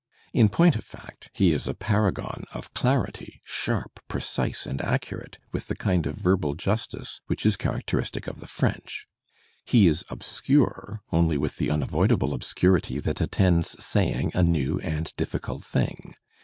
In point of fact, he is a paragon of clarity, sharp, precise and accurate with the kind of verbal justice which is characteristic of the French. He is obscure only with the unavoidable obscurity that attends saying a new and difficult thing.